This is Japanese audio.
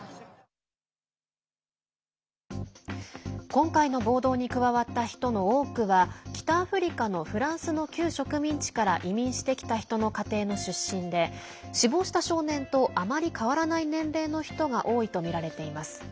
今回の暴動に加わった人の多くは北アフリカのフランスの旧植民地からの移民してきた人の家庭の出身で死亡した少年とあまり変わらない年齢の人が多いとみられています。